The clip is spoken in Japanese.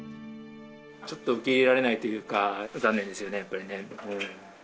ちょっと受け入れられないというか、残念ですよね、やっぱりね。